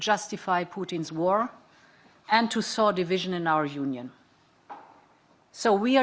akan menjadikan customer